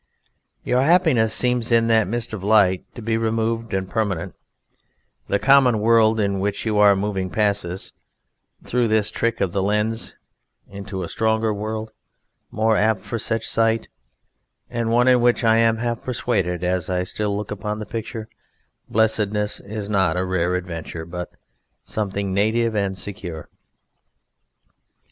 Your happiness seems in that mist of light to be removed and permanent; the common world in which you are moving passes, through this trick of the lens, into a stronger world more apt for such a sight, and one in which I am half persuaded (as I still look upon the picture) blessedness is not a rare adventure, but something native and secure.